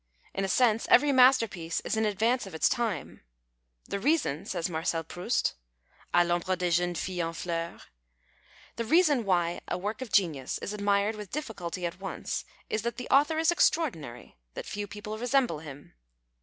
In a sense every masterpiece is in advance of its time, " The reason," says Marcel Proust (*' A I'ombre des jeunes filles en fleurs ")—" The reason why a work of genius is admired with difliculty at once is that the author is extra ordinary, that few people resemble him.